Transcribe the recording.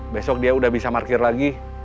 besok dia udah bisa ada markir lagi